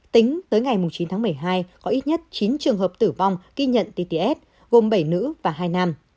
tính tới ngày chín tháng một mươi hai có ít nhất chín trường hợp tử vong ghi nhận tts gồm bảy nữ và hai nam